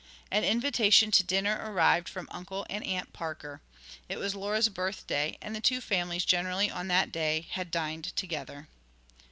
An invitation to dinner arrived from Uncle and Aunt Parker. It was Laura's birthday, and the two families generally on that day had dined together.